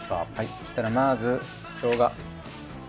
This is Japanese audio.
そしたらまずしょうが。